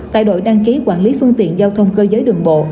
tại đội đăng ký quản lý phương tiện giao thông cơ giới đường bộ